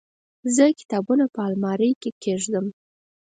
زه کتابونه په المارۍ کې کيږدم.